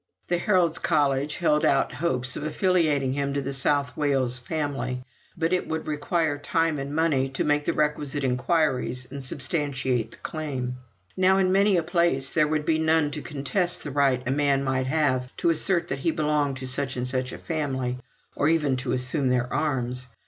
The Heralds' College held out hopes of affiliating him to the South Wales family, but it would require time and money to make the requisite inquiries and substantiate the claim. Now, in many a place there would be none to contest the right a man might have to assert that he belonged to such and such a family, or even to assume their arms.